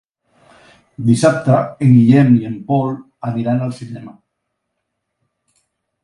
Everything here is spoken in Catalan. Dissabte en Guillem i en Pol aniran al cinema.